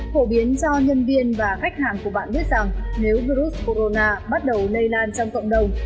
phổ biến cho nhân viên và khách hàng của bạn biết rằng nếu virus corona bắt đầu lây lan trong cộng đồng